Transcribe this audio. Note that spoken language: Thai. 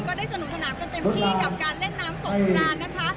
ได้สนุกสนานกันเต็มที่กับการเล่นน้ำสงครานนะคะ